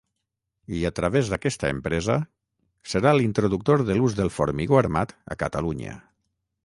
I, a través d'aquesta empresa, serà l'introductor de l'ús del formigó armat a Catalunya.